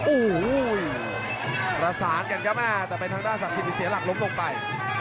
โอ้โหประสานกันครับแต่เป็นทางด้านศักดิ์สิทธิเสียหลักล้มลงไป